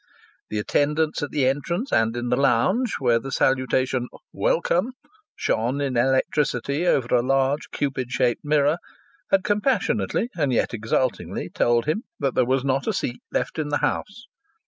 The attendants at the entrance, and in the lounge, where the salutation "Welcome" shone in electricity over a large cupid surrounded mirror, had compassionately and yet exultingly told him that there was not a seat left in the house.